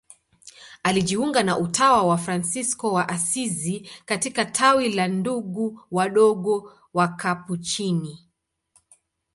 Alijiunga na utawa wa Fransisko wa Asizi katika tawi la Ndugu Wadogo Wakapuchini.